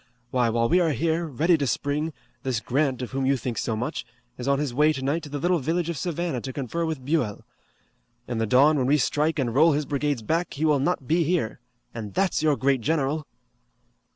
Why, while we are here, ready to spring, this Grant, of whom you think so much, is on his way tonight to the little village of Savannah to confer with Buell. In the dawn when we strike and roll his brigades back he will not be here. And that's your great general!"